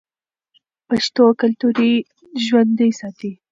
پښتو کلتور ژوندی ساتي.